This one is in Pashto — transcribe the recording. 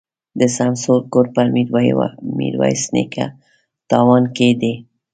د سمسور کور په ميروایس نیکه تاون کي دی.